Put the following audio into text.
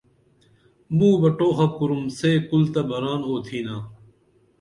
موں بہ ٹوخہ کُرُم سے کُل تہ بران اُتِھناتا